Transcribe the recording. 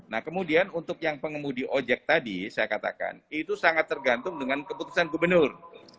nah kemudian untuk yang pengemudi ojek tadi saya katakan itu sangat tergantung dengan keputusan gubernur